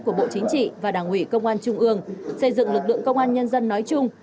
của bộ chính trị và đảng ủy công an trung ương xây dựng lực lượng công an nhân dân nói chung